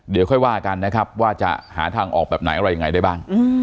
เดี๋ยวค่อยว่ากันนะครับว่าจะหาทางออกแบบไหนอะไรยังไงได้บ้าง